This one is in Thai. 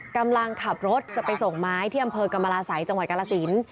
กำลังขับรถจะไปส่งไม้ที่อำเภอกรรมราศัยจังหวัดกรสิน